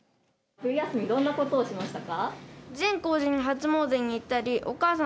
冬休みどんなことをしましたか。